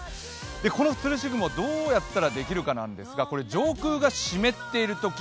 このつるし雲、どうやったらできるかなんですが、上空が湿っているとき